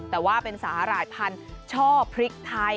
แต่ว่าเป็นสาหร่ายพันธุ์ช่อพริกไทย